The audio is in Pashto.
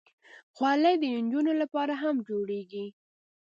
خولۍ د نجونو لپاره هم جوړېږي.